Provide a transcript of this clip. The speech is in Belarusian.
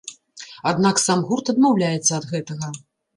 Аднак сам гурт адмаўляецца ад гэтага.